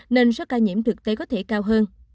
nên số ca nhiễm thực tế có thể cao hơn